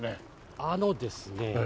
あのですね